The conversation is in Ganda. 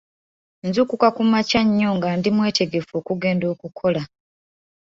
Nzuukuka kumakya nnyo nga ndi mwetegefu okugenda okukola.